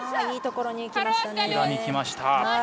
いいところにきましたね。